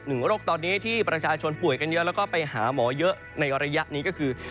โรคตอนนี้ที่ประชาชนป่วยกันเยอะแล้วก็ไปหาหมอเยอะในระยะนี้ก็คือ